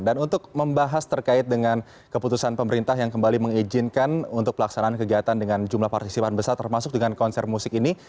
dan untuk membahas terkait dengan keputusan pemerintah yang kembali mengizinkan untuk pelaksanaan kegiatan dengan jumlah partisipan besar termasuk dengan konser musik ini